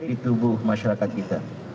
di tubuh masyarakat kita